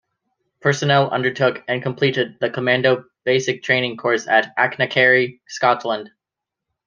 Personnel undertook, and completed, the Commando Basic Training Course at Achnacarry, Scotland.